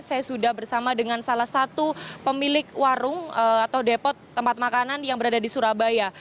saya sudah bersama dengan salah satu pemilik warung atau depot tempat makanan yang berada di surabaya